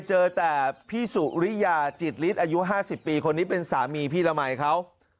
เจอแต่พี่สุริยาจิตฤทธิอายุ๕๐ปีคนนี้เป็นสามีพี่ละมัยเขา